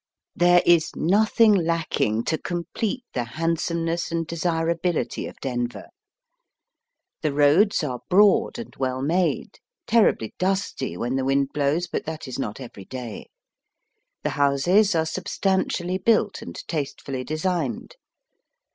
There is nothing lacking to complete the handsomeness and desirability of Denver, The roads are broad and well made — terribly dusty when the wind blows, but that is not every day. The houses are substantially built and tastefully designed.